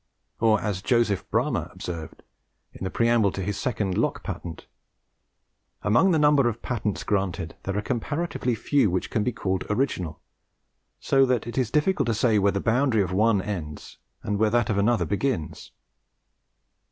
Or, as Joseph Bramah observed, in the preamble to his second Lock patent, "Among the number of patents granted there are comparatively few which can be called original so that it is difficult to say where the boundary of one ends and where that of another begins."